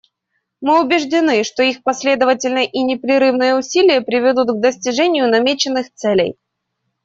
Мы убеждены, что их последовательные и непрерывные усилия приведут к достижению намеченных целей.